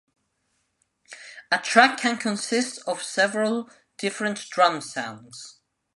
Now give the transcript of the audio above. A track can consist of several different drum sounds.